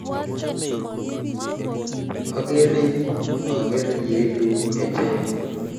Akerin akere yeiluu kecheik.